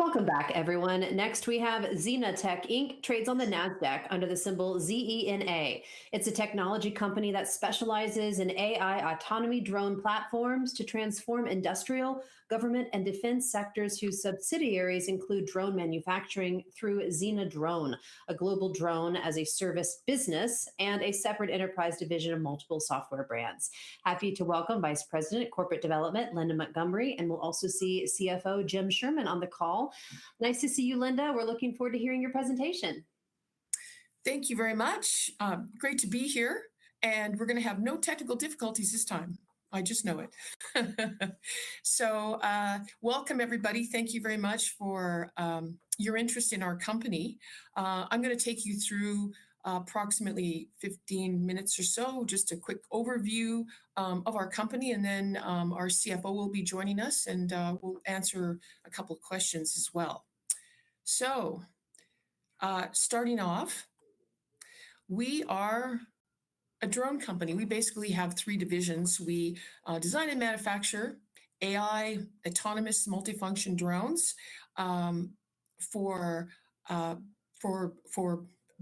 Welcome back, everyone. Next, we have ZenaTech, Inc., trades on the NASDAQ under the symbol ZENA. It's a technology company that specializes in AI autonomy drone platforms to transform industrial, government, and defense sectors, whose subsidiaries include drone manufacturing through ZenaDrone, a global Drone as a Service business, and a separate enterprise division of multiple software brands. Happy to welcome Vice President of Corporate Development, Linda Montgomery, and we'll also see CFO Jim Sherman on the call. Nice to see you, Linda. We're looking forward to hearing your presentation. Thank you very much. We're going to have no technical difficulties this time. I just know it. Welcome, everybody. Thank you very much for your interest in our company. I'm going to take you through approximately 15 minutes or so, just a quick overview of our company. Our CFO will be joining us, and we'll answer a couple of questions as well. Starting off, we are a drone company. We basically have three divisions. We design and manufacture AI autonomous multifunction drones for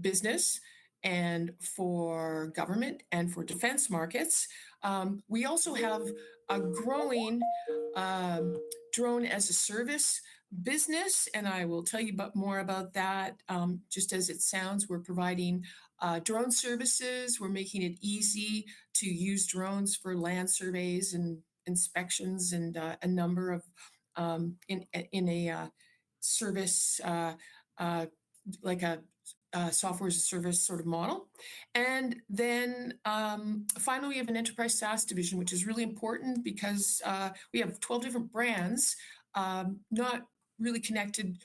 business and for government and for defense markets. We also have a growing Drone as a Service business, and I will tell you more about that. Just as it sounds, we're providing drone services. We're making it easy to use drones for land surveys and inspections in a service, like a Software as a Service sort of model. Finally, we have an enterprise SaaS division, which is really important because we have 12 different brands, not really connected.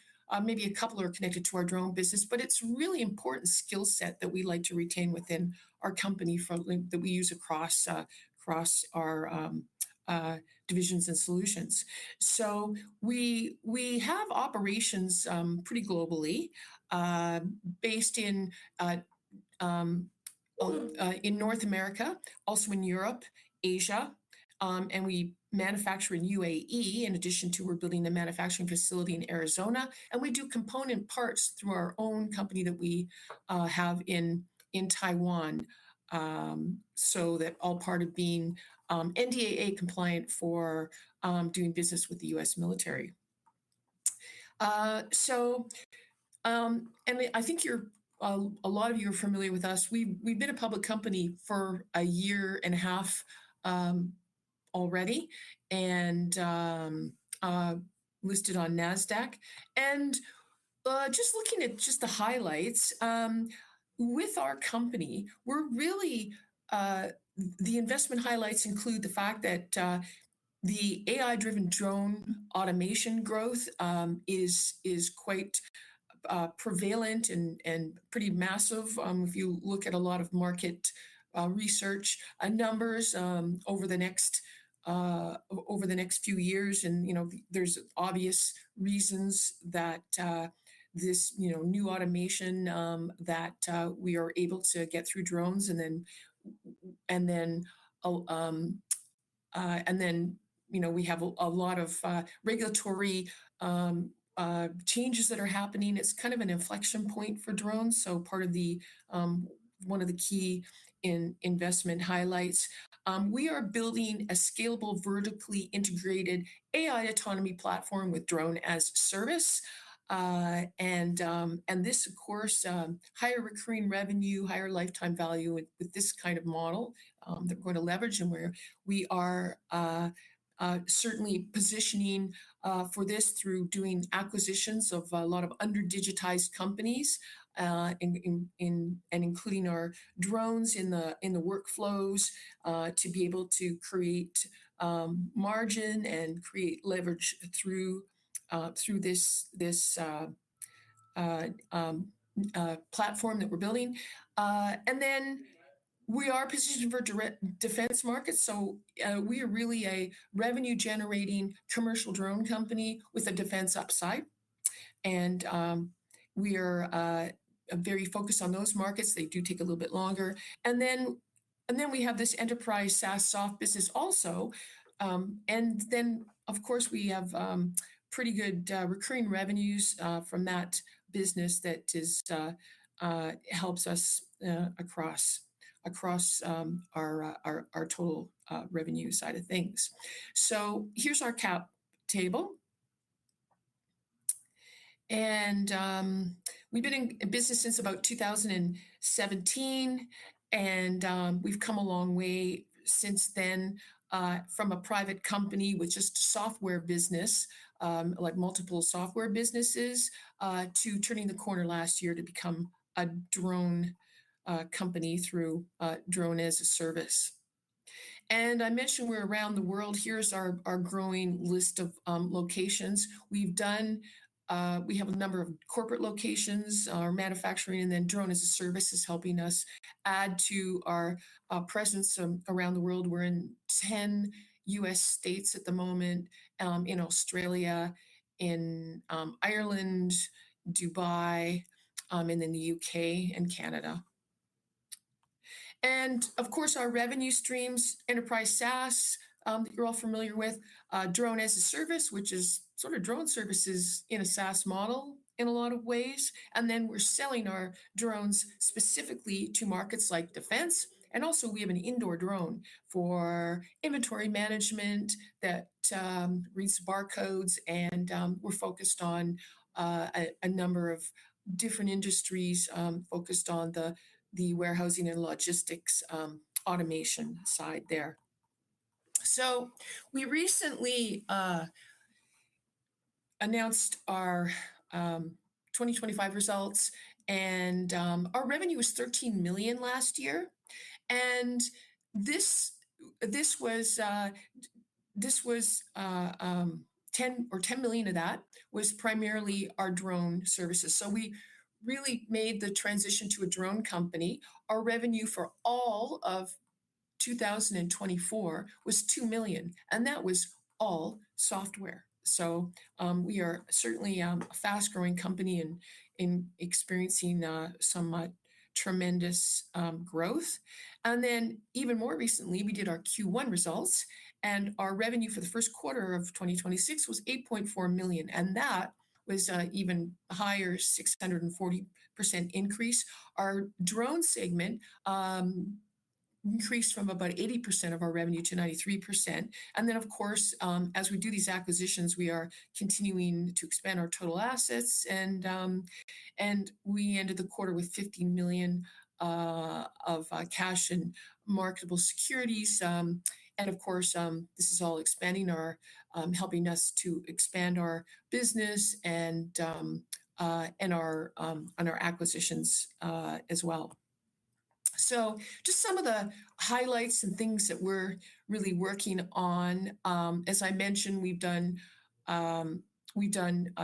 Maybe a couple are connected to our drone business, but it's really important skill set that we like to retain within our company that we use across our divisions and solutions. We have operations pretty globally, based in North America, also in Europe, Asia. We manufacture in UAE, in addition to we're building a manufacturing facility in Arizona. We do component parts through our own company that we have in Taiwan. That all part of being NDAA compliant for doing business with the U.S. military. I think a lot of you are familiar with us. We've been a public company for a year and a half already and listed on NASDAQ. Looking at just the highlights, with our company, the investment highlights include the fact that the AI-driven drone automation growth is quite prevalent and pretty massive. If you look at a lot of market research numbers over the next few years, there's obvious reasons that this new automation that we are able to get through drones. We have a lot of regulatory changes that are happening. It's kind of an inflection point for drones. One of the key investment highlights. We are building a scalable, vertically integrated AI autonomy platform with Drone as a Service. This, of course, higher recurring revenue, higher lifetime value with this kind of model that we're going to leverage, and we are certainly positioning for this through doing acquisitions of a lot of under-digitized companies and including our drones in the workflows to be able to create margin and create leverage through this platform that we're building. We are positioned for defense markets, so we are really a revenue-generating commercial drone company with a defense upside. We are very focused on those markets. They do take a little bit longer. We have this enterprise SaaS/Software business also. Of course, we have pretty good recurring revenues from that business that just helps us across our total revenue side of things. Here's our cap table. We've been in business since about 2017, and we've come a long way since then from a private company with just software business, like multiple software businesses, to turning the corner last year to become a drone company through Drone as a Service. I mentioned we're around the world. Here's our growing list of locations. We have a number of corporate locations, our manufacturing, and then Drone as a Service is helping us add to our presence around the world. We're in 10 U.S. states at the moment, in Australia, in Ireland, Dubai, and in the U.K. and Canada. Of course, our revenue streams, enterprise SaaS, that you're all familiar with. Drone as a Service, which is sort of drone services in a SaaS model in a lot of ways. We're selling our drones specifically to markets like defense. We have an indoor drone for inventory management that reads barcodes, and we're focused on a number of different industries, focused on the warehousing and logistics automation side there. We recently announced our 2025 results, and our revenue was $13 million last year. This was a 10 or $10 million of that was primarily our drone services. We really made the transition to a drone company. Our revenue for all of 2024 was $2 million, and that was all software. We are certainly a fast-growing company and experiencing some tremendous growth. Even more recently, we did our Q1 results, and our revenue for the first quarter of 2026 was $8.4 million, and that was an even higher, 640% increase. Our drone segment increased from about 80% of our revenue to 93%. Of course, as we do these acquisitions, we are continuing to expand our total assets, and we ended the quarter with $15 million of cash and marketable securities. This is all helping us to expand our business and our acquisitions as well. Just some of the highlights and things that we're really working on. As I mentioned, we've done 20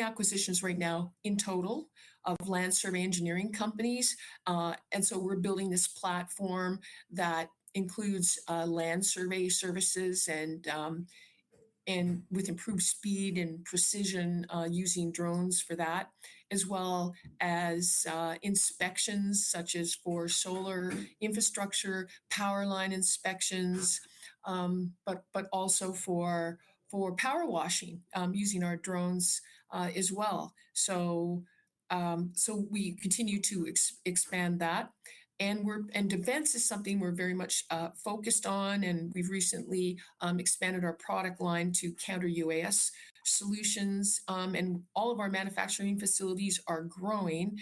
acquisitions right now in total of land survey engineering companies. We're building this platform that includes land survey services and with improved speed and precision using drones for that, as well as inspections such as for solar infrastructure, power line inspections, but also for power washing using our drones as well. We continue to expand that, and defense is something we're very much focused on, and we've recently expanded our product line to Counter-UAS solutions. All of our manufacturing facilities are growing.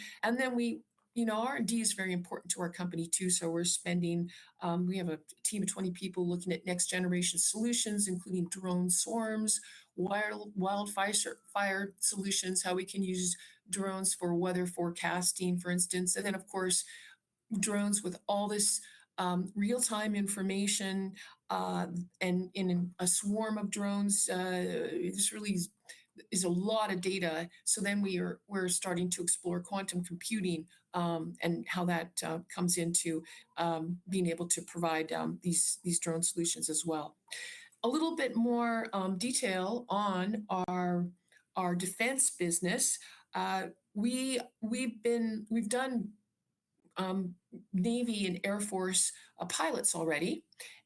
R&D is very important to our company too, so we have a team of 20 people looking at next-generation solutions, including drone swarms, wildfire solutions, how we can use drones for weather forecasting, for instance. Of course, drones with all this real-time information, and in a swarm of drones, this really is a lot of data. We're starting to explore quantum computing, and how that comes into being able to provide these drone solutions as well. A little bit more detail on our defense business. We've done Navy and Air Force pilots already.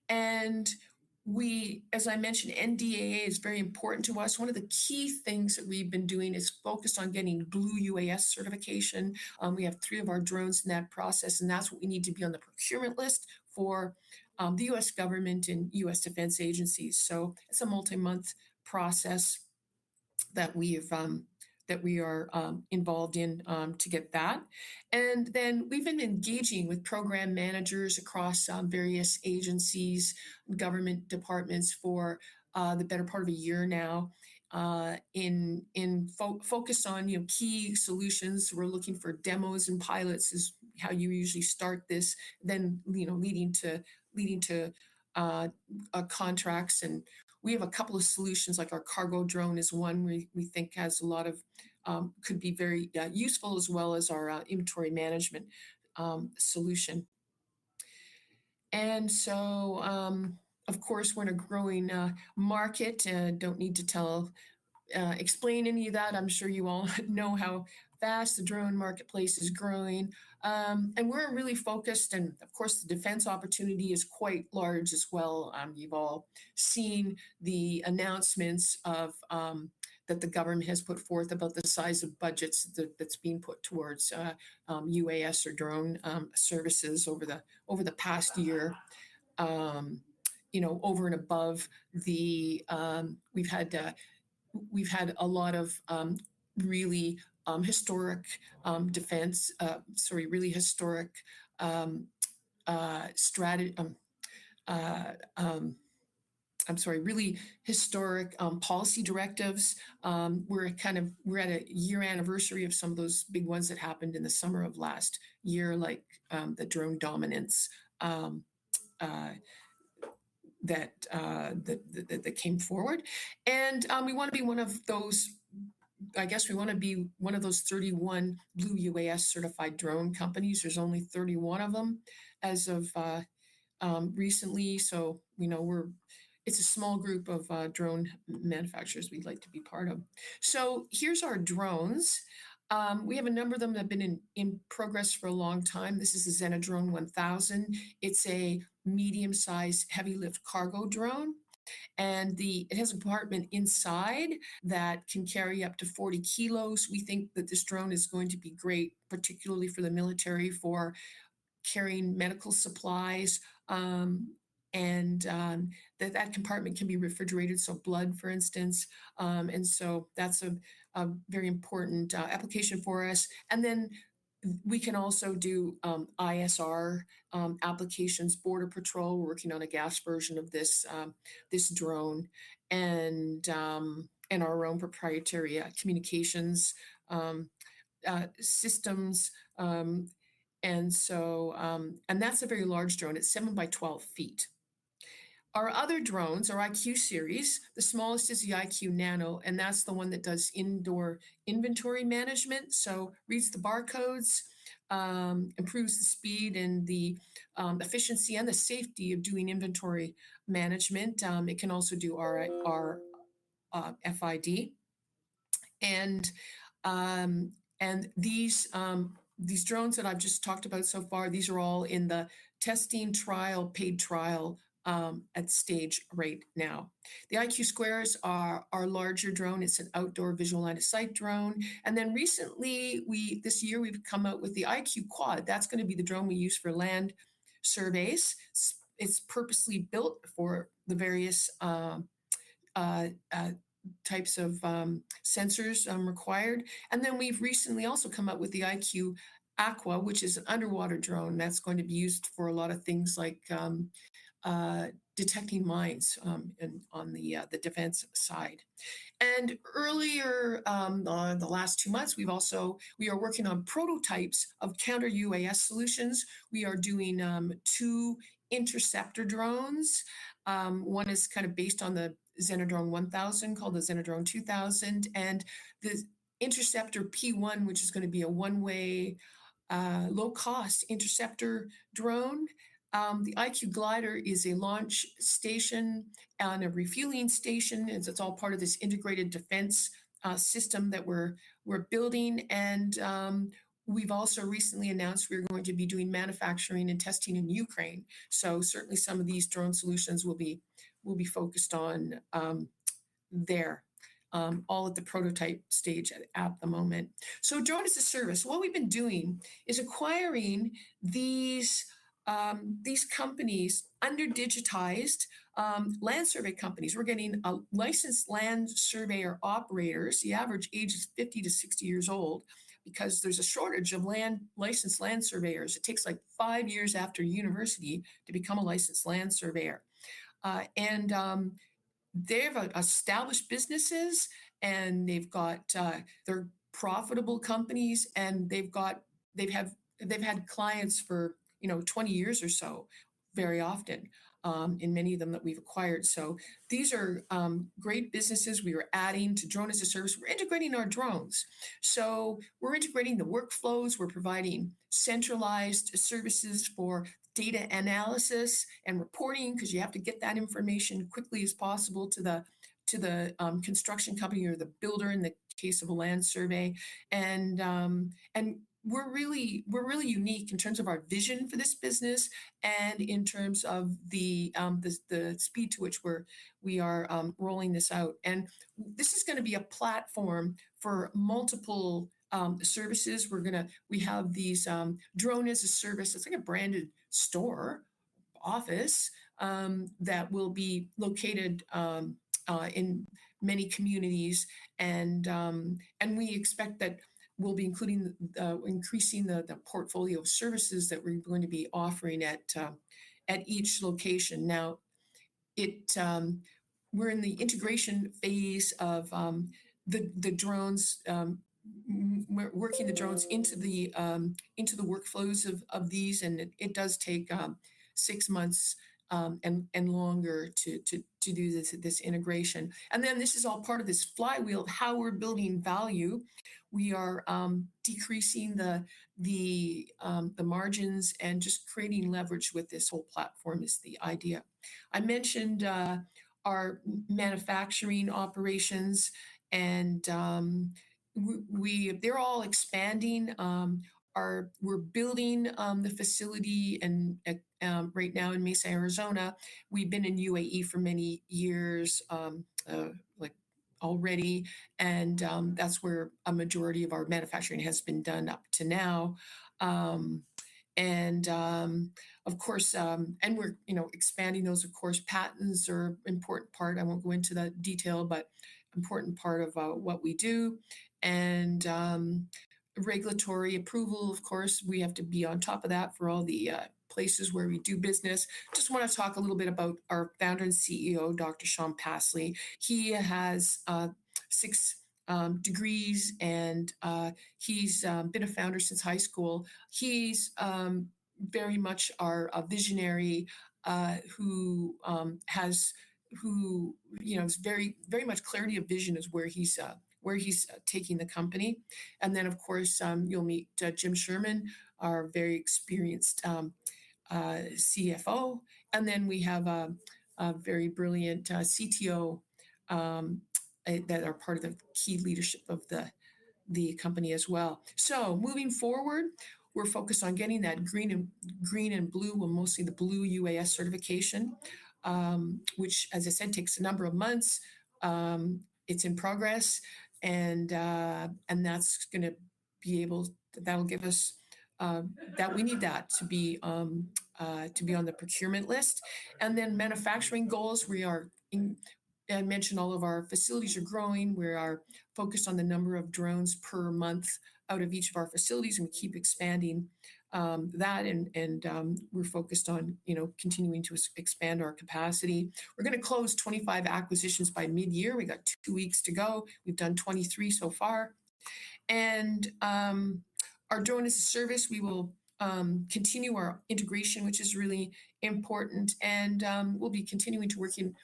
As I mentioned, NDAA is very important to us. One of the key things that we've been doing is focused on getting Blue UAS certification. We have three of our drones in that process. That's what we need to be on the procurement list for the U.S. government and U.S. defense agencies. It's a multi-month process that we are involved in to get that. We've been engaging with program managers across various agencies, government departments for the better part of a year now, focused on key solutions. We're looking for demos and pilots is how you usually start this, then leading to contracts. We have a couple of solutions, like our cargo drone is one we think could be very useful as well as our inventory management solution. Of course, we're in a growing market. Don't need to explain any of that. I'm sure you all know how fast the drone marketplace is growing. We're really focused and, of course, the defense opportunity is quite large as well. You've all seen the announcements that the government has put forth about the size of budgets that's being put towards UAS or drone services over the past year. Over and above, we've had a lot of really historic policy directives. We're at a year anniversary of some of those big ones that happened in the summer of last year, like the Drone Dominance that came forward. We want to be, I guess, one of those 31 Blue UAS certified drone companies. There's only 31 of them as of recently, so it's a small group of drone manufacturers we'd like to be part of. Here's our drones. We have a number of them that have been in progress for a long time. This is the ZenaDrone 1000. It's a medium-sized, heavy-lift cargo drone. It has a compartment inside that can carry up to 40 kilos. We think that this drone is going to be great, particularly for the military, for carrying medical supplies. That compartment can be refrigerated, so blood, for instance. That's a very important application for us. We can also do ISR applications, border patrol. We're working on a gas version of this drone and our own proprietary communications systems. That's a very large drone. It's 7 by 12 feet. Our other drones, our IQ series, the smallest is the IQ Nano. That's the one that does indoor inventory management. Reads the barcodes, improves the speed and the efficiency and the safety of doing inventory management. It can also do RFID. These drones that I've just talked about so far, these are all in the testing trial, paid trial at stage right now. The IQ Square is our larger drone. It's an outdoor visual line of sight drone. Recently, this year, we've come out with the IQ Quad. That's going to be the drone we use for land surveys. It's purposely built for the various types of sensors required. We've recently also come out with the IQ Aqua, which is an underwater drone that's going to be used for a lot of things like detecting mines on the defense side. Earlier, in the last two months, we are working on prototypes of Counter-UAS solutions. We are doing two interceptor drones. One is based on the ZenaDrone 1000, called the ZenaDrone 2000, and the Interceptor P-1, which is going to be a one-way, low-cost interceptor drone. The IQ Glider is a launch station and a refueling station, as it's all part of this integrated defense system that we're building. We've also recently announced we're going to be doing manufacturing and testing in Ukraine. Certainly, some of these drone solutions will be focused on there. All at the prototype stage at the moment. Drone as a Service. What we've been doing is acquiring these companies, under-digitized land survey companies. We're getting licensed land surveyor operators. The average age is 50-60 years old because there's a shortage of licensed land surveyors. It takes five years after university to become a licensed land surveyor. They have established businesses, and they're profitable companies, and they've had clients for 20 years or so, very often, in many of them that we've acquired. These are great businesses we are adding to Drone as a Service. We're integrating our drones. We're integrating the workflows, we're providing centralized services for data analysis and reporting, because you have to get that information as quickly as possible to the construction company or the builder in the case of a land survey. We're really unique in terms of our vision for this business and in terms of the speed to which we are rolling this out. This is going to be a platform for multiple services. We have these Drone as a Service. It's like a branded store office that will be located in many communities, and we expect that we'll be increasing the portfolio of services that we're going to be offering at each location. Now, we're in the integration phase of the drones. We're working the drones into the workflows of these, and it does take six months and longer to do this integration. This is all part of this flywheel of how we're building value. We are decreasing the margins and just creating leverage with this whole platform is the idea. I mentioned our manufacturing operations, and they're all expanding. We're building the facility right now in Mesa, Arizona. We've been in UAE for many years already, and that's where a majority of our manufacturing has been done up to now. We're expanding those, of course. Patents are important part, I won't go into the detail, but important part of what we do. Regulatory approval, of course, we have to be on top of that for all the places where we do business. Just want to talk a little bit about our founder and CEO, Dr. Shaun Passley. He has six degrees and he's been a founder since high school. He's very much our visionary who has very much clarity of vision is where he's taking the company. Of course, you'll meet Jim Sherman, our very experienced CFO, we have a very brilliant CTO that are part of the key leadership of the company as well. Moving forward, we're focused on getting that green and blue, well, mostly the Blue UAS certification, which as I said, takes a number of months. It's in progress, and we need that to be on the procurement list. Manufacturing goals. I mentioned all of our facilities are growing. We are focused on the number of drones per month out of each of our facilities, and we keep expanding that. We're focused on continuing to expand our capacity. We're going to close 25 acquisitions by mid-year. We've got two weeks to go. We've done 23 so far. Our Drone as a Service, we will continue our integration, which is really important. We'll be continuing to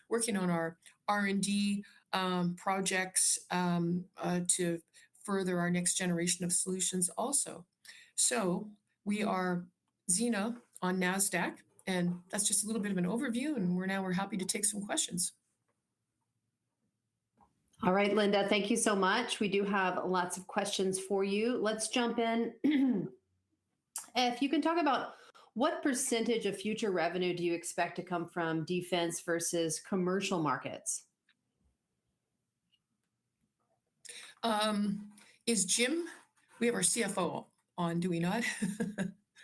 working on our R&D projects to further our next generation of solutions also. We are ZENA on NASDAQ, and that's just a little bit of an overview, and we're happy to take some questions. All right, Linda, thank you so much. We do have lots of questions for you. Let's jump in. If you can talk about what percentage of future revenue do you expect to come from defense versus commercial markets? We have our CFO on, do we not?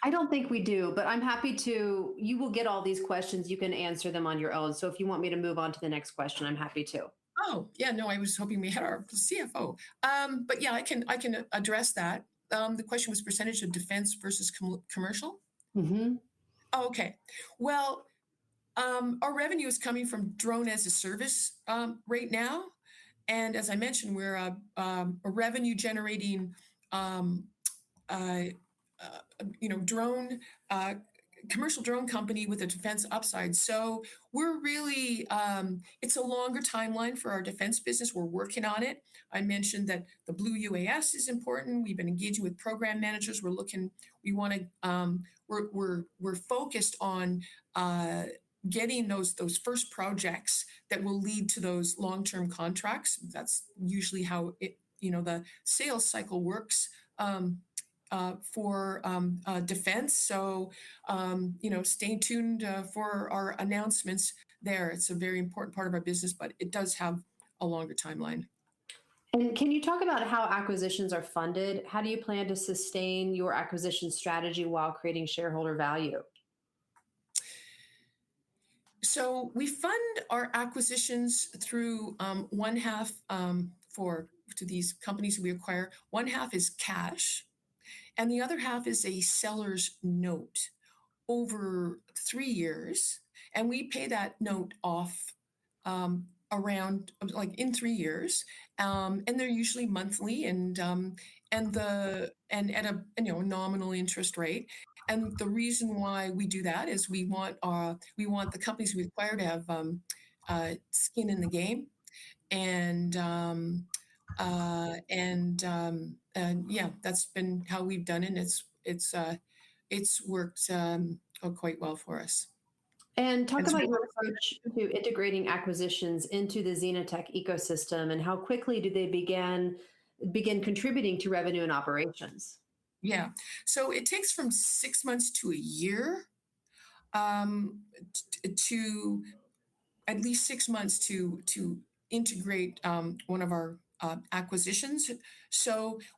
I don't think we do, but I'm happy to You will get all these questions. You can answer them on your own. If you want me to move on to the next question, I'm happy to. Oh, yeah, no, I was hoping we had our CFO. Yeah, I can address that. The question was percentage of defense versus commercial? Okay. Well, our revenue is coming from Drone as a Service right now. As I mentioned, we're a revenue-generating commercial drone company with a defense upside. It's a longer timeline for our defense business. We're working on it. I mentioned that the Blue UAS is important. We've been engaging with program managers. We're focused on getting those first projects that will lead to those long-term contracts. That's usually how the sales cycle works for defense. Stay tuned for our announcements there. It's a very important part of our business, but it does have a longer timeline. Can you talk about how acquisitions are funded? How do you plan to sustain your acquisition strategy while creating shareholder value? We fund our acquisitions through to these companies we acquire, one half is cash, and the other half is a seller's note over three years, and we pay that note off in three years. They're usually monthly and at a nominal interest rate. The reason why we do that is we want the companies we acquire to have skin in the game. Yeah, that's been how we've done it, and it's worked quite well for us. Talk about your approach to integrating acquisitions into the ZenaTech ecosystem, how quickly do they begin contributing to revenue and operations? Yeah. It takes at least six months to integrate one of our acquisitions.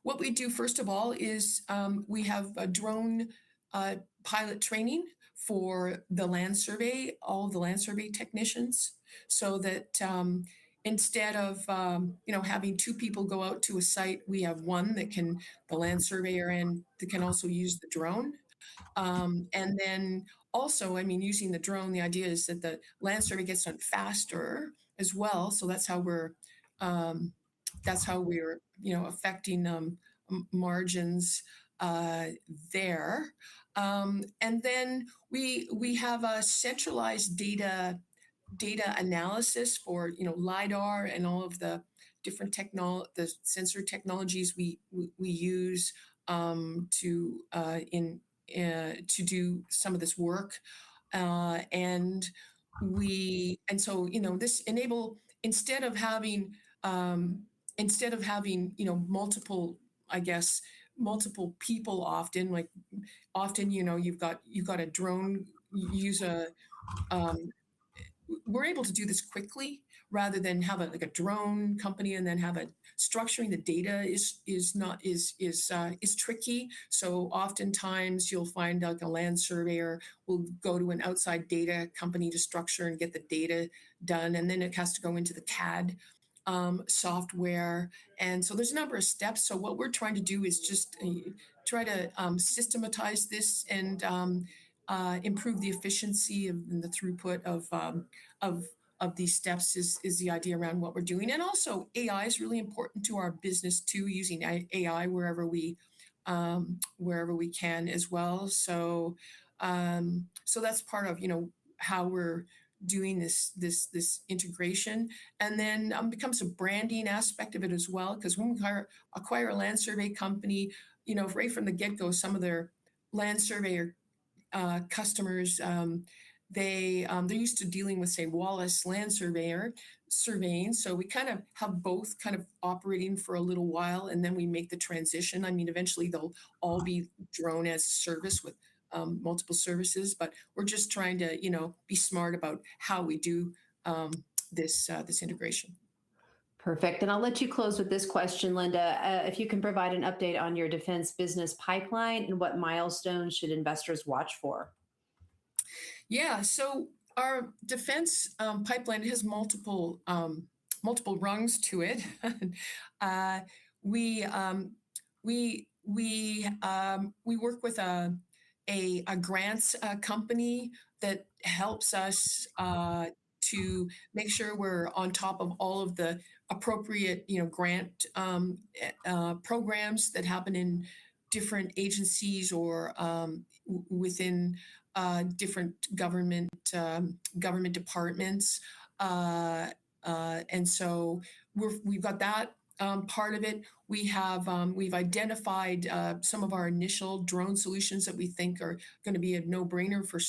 What we do, first of all, is we have a drone pilot training for all the land survey technicians, so that instead of having two people go out to a site, we have one, the land surveyor in, that can also use the drone. Then also, using the drone, the idea is that the land survey gets done faster as well. That's how we're affecting margins there. Then we have a centralized data analysis for LIDAR and all of the different sensor technologies we use to do some of this work. Instead of having multiple people often, you've got a drone user. We're able to do this quickly rather than have a drone company and then structuring the data is tricky. Oftentimes you'll find out the land surveyor will go to an outside data company to structure and get the data done, and then it has to go into the CAD software. There's a number of steps. What we're trying to do is just try to systematize this and improve the efficiency and the throughput of these steps is the idea around what we're doing. Also, AI is really important to our business, too, using AI wherever we can as well. That's part of how we're doing this integration. Then, becomes a branding aspect of it as well, because when we acquire a land survey company, right from the get-go, some of their land surveyor customers, they're used to dealing with, say, Wallace Surveying. We kind of have both operating for a little while, and then we make the transition. Eventually they'll all be Drone as a Service with multiple services. We're just trying to be smart about how we do this integration. Perfect. I'll let you close with this question, Linda. If you can provide an update on your defense business pipeline, what milestones should investors watch for? Yeah. Our defense pipeline has multiple rungs to it. We work with a grants company that helps us to make sure we're on top of all of the appropriate grant programs that happen in different agencies or within different government departments. We've got that part of it. We've identified some of our initial drone solutions that we think are going to be a no-brainer for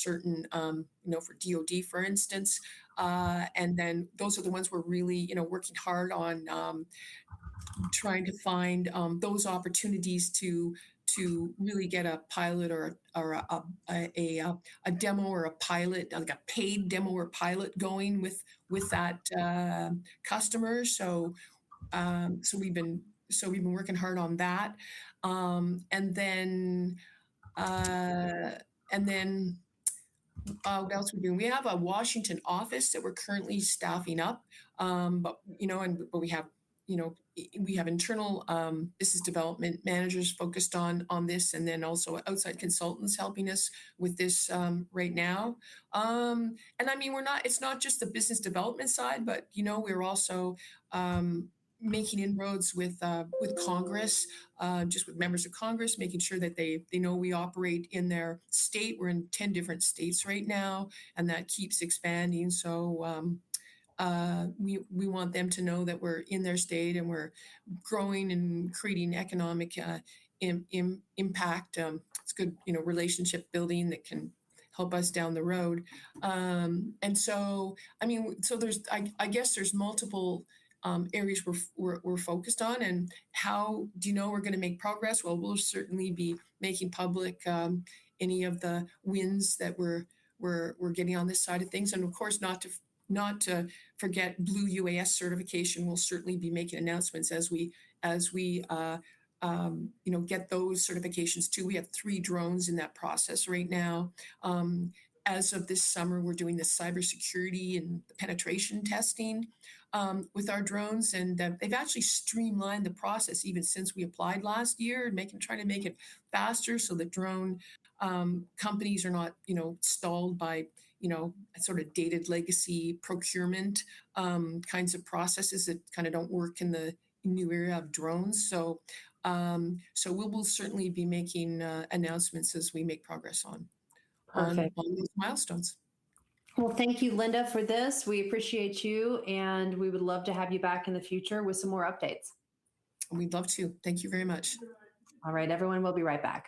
DoD, for instance. Those are the ones we're really working hard on trying to find those opportunities to really get a demo or a paid demo or pilot going with that customer. We've been working hard on that. What else are we doing? We have a Washington office that we're currently staffing up. We have internal business development managers focused on this, also outside consultants helping us with this right now. It's not just the business development side, but we're also making inroads with Congress, just with members of Congress, making sure that they know we operate in their state. We're in 10 different states right now, that keeps expanding. We want them to know that we're in their state, we're growing and creating economic impact. It's good relationship-building that can help us down the road. I guess there's multiple areas we're focused on. How do you know we're going to make progress? Well, we'll certainly be making public any of the wins that we're getting on this side of things. Of course, not to forget Blue UAS certification, we'll certainly be making announcements as we get those certifications, too. We have three drones in that process right now. As of this summer, we're doing the cybersecurity and penetration testing with our drones, and they've actually streamlined the process even since we applied last year, and trying to make it faster, so that drone companies are not stalled by sort of dated legacy procurement kinds of processes that don't work in the new era of drones. We will certainly be making announcements as we make progress on-. Perfect All these milestones. Well, thank you, Linda, for this. We appreciate you, and we would love to have you back in the future with some more updates. We'd love to. Thank you very much. All right, everyone, we'll be right back.